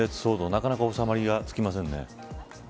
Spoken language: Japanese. なかなか収まりがつきませんね。